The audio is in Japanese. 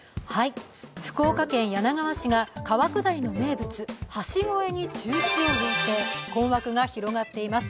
福岡県柳川市が川下りの名物、橋越えに中止を要請、困惑が広がっています。